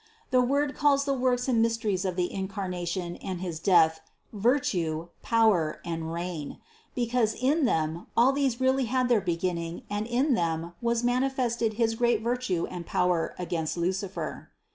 The Word calls the works and mysteries of the Incarnation and his Death "virtue," "power" and "reign," because in them, all these really had their beginning and in them was manifested his great virtue and power against Lucifer.